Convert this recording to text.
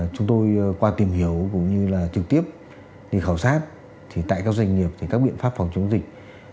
chúng tôi qua tìm hiểu cũng như là trực tiếp đi khảo sát tại các doanh nghiệp thì các biện pháp phòng chống dịch